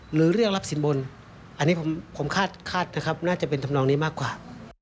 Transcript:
หรือเรื่องรับสินบนอันนี้ผมคาดนะครับน่าจะเป็นทำนองนี้มากกว่า